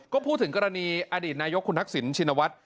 ก็พูดถึงกรณีอดีตนายกคุณทักษิณชินวัฒน์